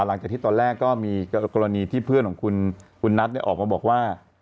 หลังจากที่ตอนแรกก็มีกรณีที่เพื่อนของคุณนัทออกมาบอกว่า